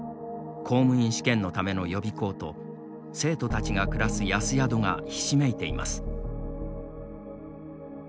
公務員試験のための予備校と生徒たちが暮らす安宿がひしめいています。